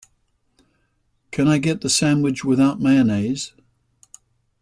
Can I get the sandwich without mayonnaise?